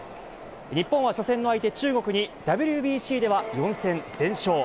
日本は初戦の相手、中国にＷＢＣでは４戦全勝。